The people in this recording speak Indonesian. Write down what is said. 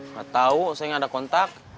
gak tau saya gak ada kontak